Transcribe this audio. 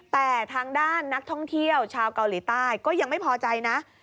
แต่ทางด้านนักท่องเที่ยวชาวเกาหลีใต้ก็ยังไม่พอใจนะ